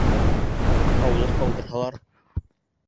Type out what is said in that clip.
Һыуыҡ алдырһалар?!